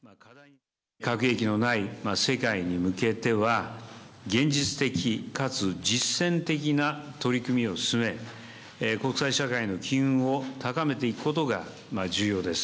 核兵器のない世界に向けては、現実的かつ実践的な取り組みを進め、国際社会の機運を高めていくことが重要です。